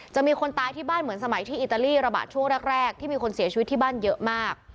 มีคนตายที่บ้านเหมือนสมัยที่อิตาลีระบาดช่วงแรกที่มีคนเสียชีวิตที่บ้านเยอะมาก